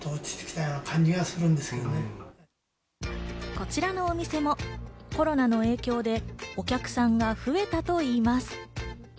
こちらのお店もコロナの影響でお客さんが増えたといいます。